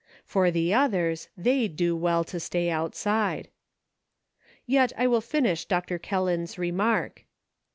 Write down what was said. For the others, they do well to stay outside. Yet I will finish Dr. Kelland's remark.